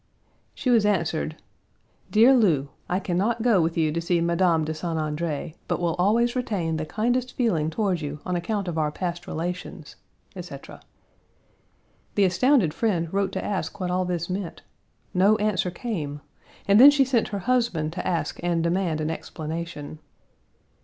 She was answered: "Dear Lou: I can not go with you to see Madame de St. Andre, but will always retain the kindest feeling toward you on account of our past relations," etc. The astounded friend wrote to ask what all this meant. No answer came, and then she sent her husband to ask and demand an explanation.